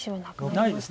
ないです。